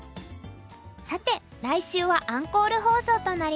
さて来週はアンコール放送となります。